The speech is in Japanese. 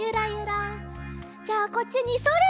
じゃあこっちにそれ！